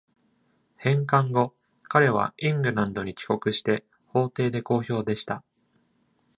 返還後、彼はイングランドに帰国して、法廷で好評でした。